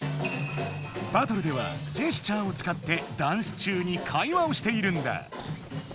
バトルではジェスチャーをつかってダンス中に会話をしているんだ。